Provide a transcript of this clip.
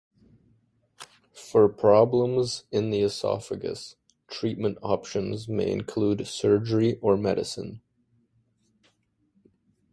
For problems in the esophagus, treatment options may include surgery or medicine.